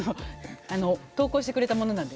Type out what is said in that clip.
投稿してくれたものなんで。